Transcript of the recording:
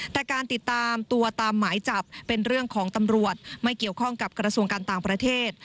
แต่การติดตามตัวตามหมายจับเป็นเรื่องของตำรวจไม่เกี่ยวข้องกับกระทรวงการต่างประเทศ